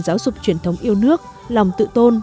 giáo dục truyền thống yêu nước lòng tự tôn